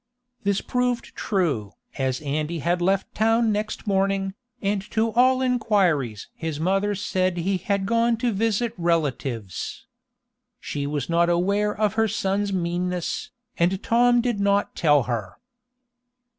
This proved true, as Andy had left town next morning, and to all inquiries his mother said he had gone to visit relatives. She was not aware of her son's meanness, and Tom did not tell her.